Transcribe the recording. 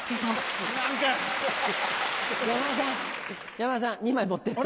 山田さん２枚持ってって。